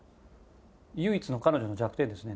唯一の彼女の弱点ですね